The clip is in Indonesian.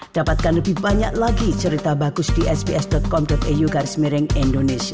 dapatkan lebih banyak lagi cerita bagus di sps com eu garis miring indonesia